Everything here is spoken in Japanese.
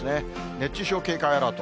熱中症警戒アラート。